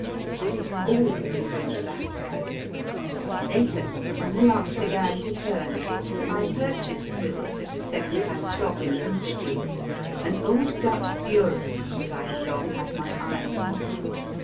But it always went back, and later, when the luck began to turn, I purchased with it, at a second hand shop in Goodge Street, an old Dutch bureau that I had long had my eye upon.